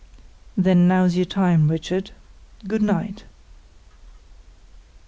"Then now's your time, Richard. Good night."